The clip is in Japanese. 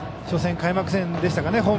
初戦、開幕戦でしたかね。